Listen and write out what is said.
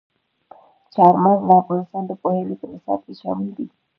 چار مغز د افغانستان د پوهنې په نصاب کې شامل دي.